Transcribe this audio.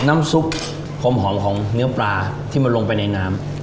น้ำซุปความหอมของเนื้อปลาที่มันลงไปในน้ำ